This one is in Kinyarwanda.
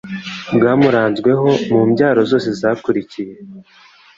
bwamuranzweho mu mbyaro zose zakurikiye